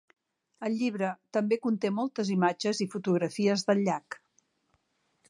El llibre també conté moltes imatges i fotografies del llac.